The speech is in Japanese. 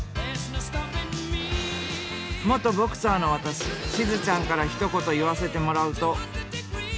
元ボクサーの私しずちゃんからひと言言わせてもらうと。